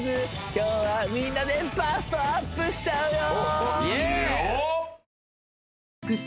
今日はみんなでバストアップしちゃうよ